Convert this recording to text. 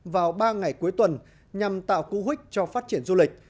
vào ba ngày cuối tuần nhằm tạo cú hích cho phát triển du lịch